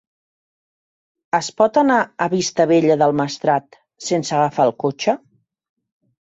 Es pot anar a Vistabella del Maestrat sense agafar el cotxe?